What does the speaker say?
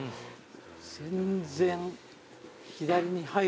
全然。